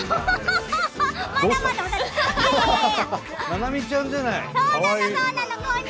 ななみちゃんじゃない。